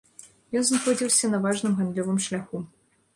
Ён знаходзіўся на важным гандлёвым шляху.